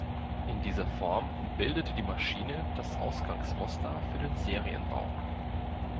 In dieser Form bildete die Maschine das Ausgangsmuster für den Serienbau.